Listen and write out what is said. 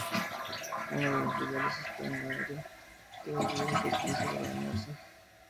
Uno de los lugares en esta área todavía se utiliza para bañarse.